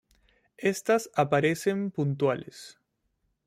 Estas aparecen puntuales.